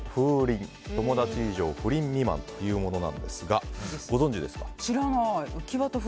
‐友達以上、不倫未満‐」というものなんですがご存じですか？